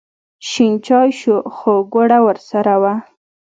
شین چای شو خو ګوړه ورسره وه.